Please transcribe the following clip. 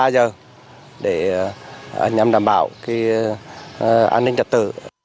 hai mươi ba giờ để nhằm đảm bảo an ninh trật tự